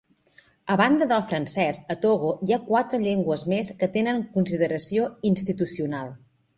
A banda del francès, a Togo hi ha quatre llengües més que tenen consideració institucional.